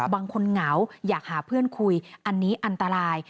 เหงาอยากหาเพื่อนคุยอันนี้อันตราย